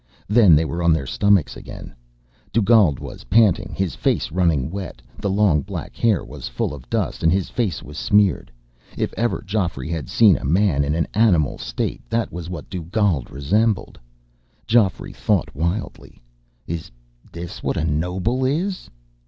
Then they were on their stomachs again. Dugald was panting, his face running wet. The long black hair was full of dust, and his face was smeared. If ever Geoffrey had seen a man in an animal state, that was what Dugald resembled. Geoffrey thought wildly; Is this what a noble is?